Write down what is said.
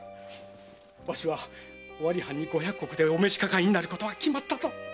わしは尾張藩に五百石でお召し抱えになることが決まったぞ。